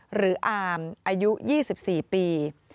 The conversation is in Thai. หรืออามอายุ๒๔ปี